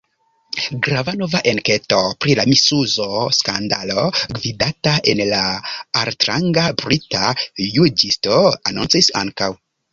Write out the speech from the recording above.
Grava nova enketo pri la misuzo skandalo gvidata de altranga brita juĝisto anoncis ankaŭ.